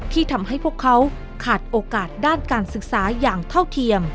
ที่ทำให้พวกเขาขาดโอกาสด้านการศึกษาอย่างเท่าเทียม